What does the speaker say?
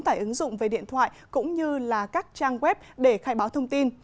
tải ứng dụng về điện thoại cũng như là các trang web để khai báo thông tin